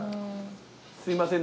すいません